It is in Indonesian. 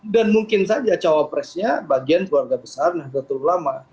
dan mungkin saja cowok presnya bagian keluarga besar nahdlatul ulama